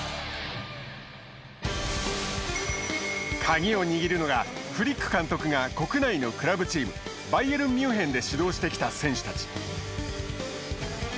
鍵を握るのが、フリック監督が国内のクラブチームバイエルンミュンヘンで指導してきた選手たち。